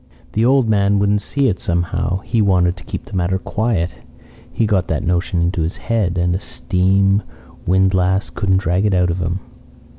"The old man wouldn't see it somehow. He wanted to keep the matter quiet. He got that notion into his head, and a steam windlass couldn't drag it out of him.